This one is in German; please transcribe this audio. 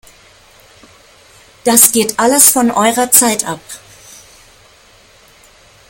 Das geht alles von eurer Zeit ab!